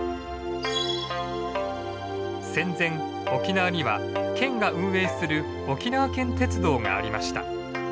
戦前沖縄には県が運営する沖縄県鉄道がありました。